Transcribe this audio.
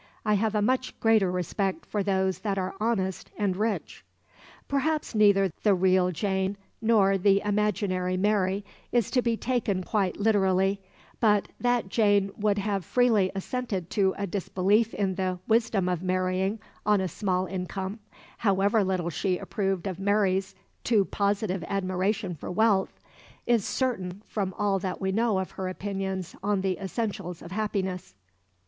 I have a much greater respect for those that are honest and rich." Perhaps neither the real Jane nor the imaginary Mary is to be taken quite literally, but that Jane would have freely assented to a disbelief in the wisdom of marrying on a small income, however little she approved of Mary's "too positive admiration for wealth," is certain from all that we know of her opinions on the essentials of happiness.